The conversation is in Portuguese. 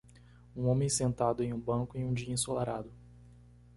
Um homem sentado em um banco em um dia ensolarado.